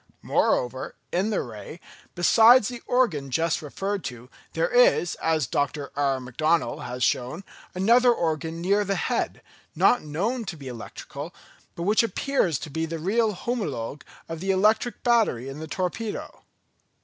Moreover, in the ray, besides the organ just referred to, there is, as Dr. R. McDonnell has shown, another organ near the head, not known to be electrical, but which appears to be the real homologue of the electric battery in the torpedo.